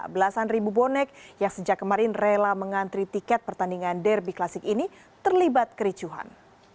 belasan ribu bonek yang sejak kemarin rela mengantri tiket pertandingan derby klasik ini terlibat kericuhan